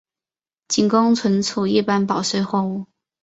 仅供存储一般保税货物。